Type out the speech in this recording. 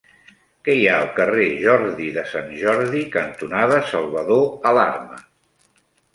Què hi ha al carrer Jordi de Sant Jordi cantonada Salvador Alarma?